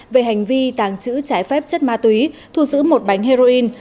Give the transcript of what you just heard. về hành vi tàng trữ trái phép chất ma túy thuộc dữ một bánh heroin